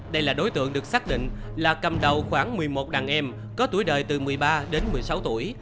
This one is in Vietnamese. đây là đối tượng được xác định là cầm đầu khoảng một mươi một đàn em có tuổi đời từ một mươi ba đến một mươi sáu tuổi